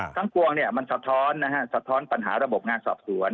ทั้งกวงมันสะท้อนสะท้อนปัญหาระบบงานสอบส่วน